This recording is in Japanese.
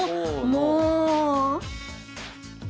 もう。